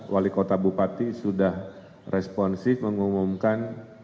wali kota bupati sudah responsif mengumumkan